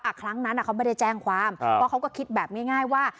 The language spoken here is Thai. ครั้งนั้นเขาไม่ได้แจ้งความเพราะเขาก็คิดแบบง่ายว่า